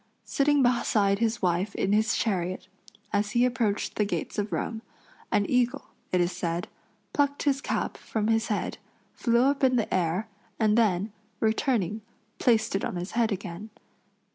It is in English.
Sitting beside his wife in his chariot, as he approached the gates of Rome, an eagle, it is said, plucked his cap from his head, flew up in the air, and then, returning, placed it on his head again.